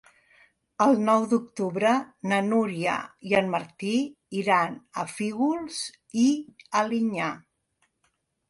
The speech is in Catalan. El nou d'octubre na Núria i en Martí iran a Fígols i Alinyà.